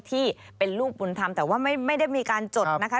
ที่เป็นลูกบุญธรรมแต่ว่าไม่ได้มีการจดนะคะ